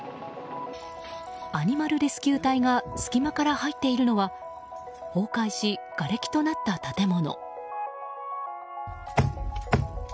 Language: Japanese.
アニマルレスキュー隊が隙間から入っているのは崩壊し、がれきとなった建物。